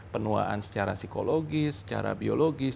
penuaan secara psikologis secara biologis